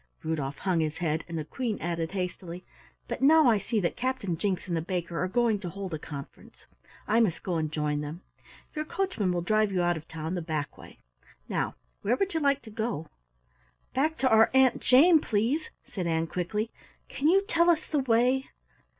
Rudolf hung his head, and the Queen added hastily: "But now I see that Captain Jinks and the baker are going to hold a conference. I must go and join them. Your coachman will drive you out of town the back way. Now where would you like to go?" "Back to our Aunt Jane, please," said Ann quickly. "Can you tell us the way?"